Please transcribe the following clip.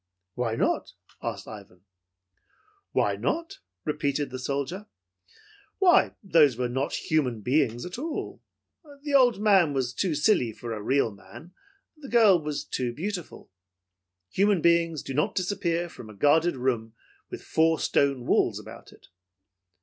"Why not?" asked Ivan. "Why not?" repeated the soldier. "Why, those were not human beings at all. The old man was too silly for a real man, the girl was too beautiful. Human beings do not disappear from a guarded room with four stone walls about it."